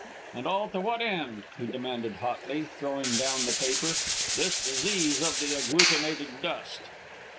"And all to what end?" he demanded, hotly, throwing down the paper, "this disease of the agglutinated dust?"